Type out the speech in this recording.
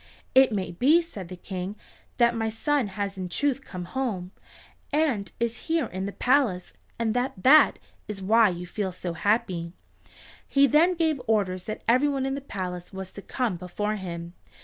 "It may be," said the King, "that my son has in truth come home, and is here in the palace, and that that is why you feel so happy." He then gave orders that everyone in the palace was to come before him.